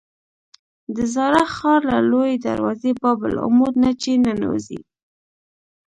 د زاړه ښار له لویې دروازې باب العمود نه چې ننوځې.